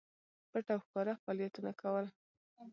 پټ او ښکاره فعالیتونه کول.